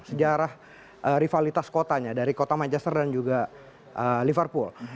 sejarah rivalitas kotanya dari kota manchester dan juga liverpool